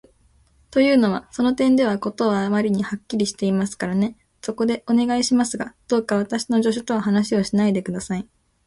というのは、その点では事はあまりにはっきりしていますからね。そこで、お願いしますが、どうか私の助手とは話をしないで下さい。